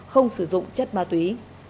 không sử dụng chất ma túy